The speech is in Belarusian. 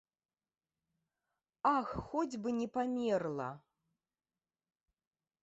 Ах, хоць бы не памерла!